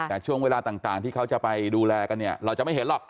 แต่ช่วงเวลาต่างที่เขาจะไปดูแลกันเนี่ยเราจะไม่เห็นหรอก